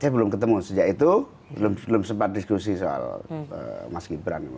saya belum ketemu sejak itu belum sempat diskusi soal mas gibran